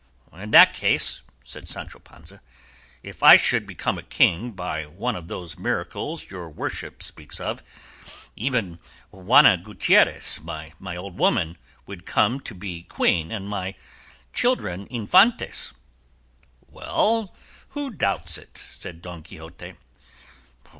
"In that case," said Sancho Panza, "if I should become a king by one of those miracles your worship speaks of, even Juana Gutierrez, my old woman, would come to be queen and my children infantes." "Well, who doubts it?" said Don Quixote.